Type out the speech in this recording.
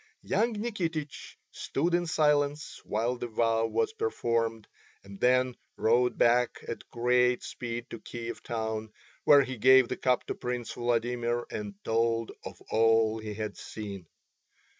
Young Nikitich stood in silence while the vow was performed, and then rode back at great speed to Kiev town, where he gave the cup to Prince Vladimir and told of all he had seen.